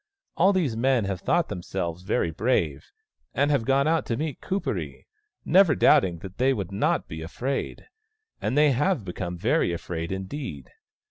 All these men have thought themselves very brave, and have gone out to meet Kuperee, never doubting that they would not be afraid : and they have become very afraid indeed.